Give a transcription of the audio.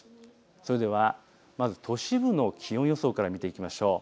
それではまず都市部の気温予想から見ていきましょう。